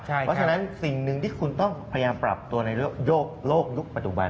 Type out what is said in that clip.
เพราะฉะนั้นสิ่งหนึ่งที่คุณต้องพยายามปรับตัวในโลกยุคปัจจุบัน